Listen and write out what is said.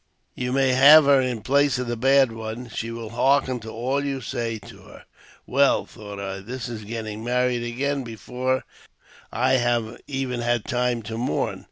You may have her in the place of the bad one ; she will hearken to all you say to her." " Well," thought I, " this is getting married again before I have even had time to mourn."